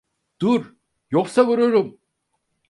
Dur yoksa vururum!